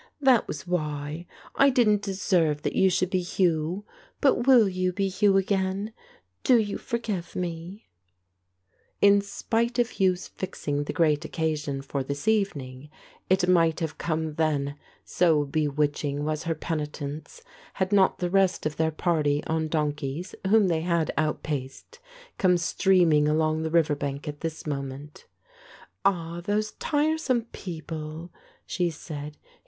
"That was why. I didn't deserve that you should be Hugh. But will you be Hugh again ? Do you forgive me ?" In spite of Hugh's fixing the great occasion for this evening, it might have come then, so bewitching was her penitence, had not the rest of their party on donkeys, whom they had outpaced, come streaming along the river bank at this moment. "Ah, those tiresome people," she said.